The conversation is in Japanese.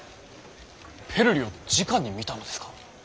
ペルリをじかに見たのですか？